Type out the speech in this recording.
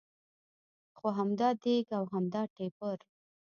خو همدا دېګ او همدا ټېپر.